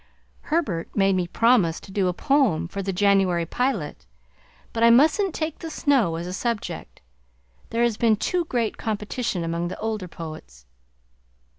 Herbert made me promise to do a poem for the January 'Pilot,' but I mustn't take the snow as a subject; there has been too great competition among the older poets!"